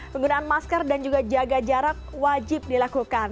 penggunaan masker dan juga jaga jarak wajib dilakukan